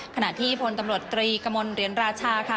ขณะที่พลตำรวจตรีกระมวลเหรียญราชาค่ะ